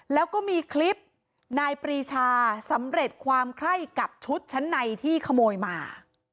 แล้วก็มีคลิปนายปรีชาสำเร็จความไคร้กับชุดชั้นในที่ขโมยมา